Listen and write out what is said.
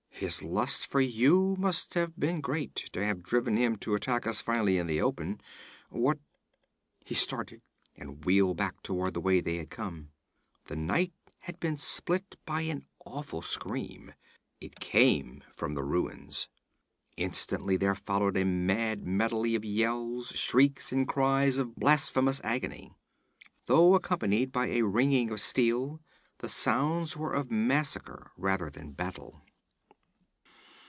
His lust for you must have been great, to have driven him to attack us finally in the open. What ' He started and wheeled back toward the way they had come. The night had been split by an awful scream. It came from the ruins. Instantly there followed a mad medley of yells, shrieks and cries of blasphemous agony. Though accompanied by a ringing of steel, the sounds were of massacre rather than battle.